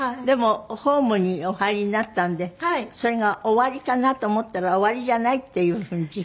でもホームにお入りになったんでそれが終わりかなと思ったら終わりじゃないっていう風に。